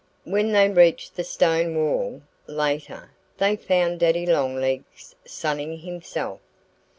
When they reached the stone wall, later, they found Daddy Longlegs sunning himself.